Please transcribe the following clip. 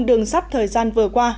đường sắp thời gian vừa qua